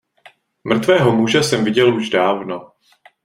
Mrtvého muže jsem viděl už dávno.